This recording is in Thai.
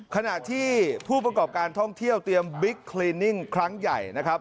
ขณะที่ผู้ประกอบการท่องเที่ยวเตรียมบิ๊กคลินิ่งครั้งใหญ่นะครับ